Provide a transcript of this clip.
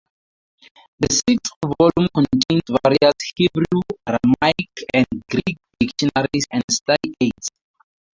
The sixth volume contains various Hebrew, Aramaic, and Greek dictionaries and study aids.